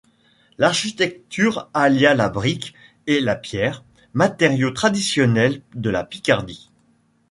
L'architecture allia la brique et la pierre, matériaux traditionnels de la Picardie.